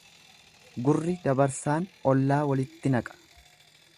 Gurri dabarsaan ollaa walitti naqa.